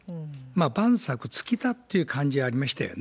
万策尽きたっていう感じありましたよね。